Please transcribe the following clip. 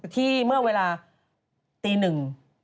ที่เมื่อเวลาตี๑๐๐น๓๓๐๐น